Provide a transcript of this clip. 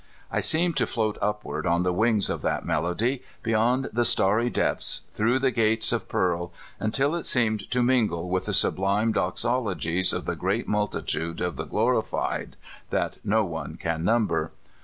I seemed to float upward on the wings of that melody, beyond the starry deptlis, through the gates of pearl, until it seemed to mingle with the sublime doxologies of the great multitude of the glorified that no one can number.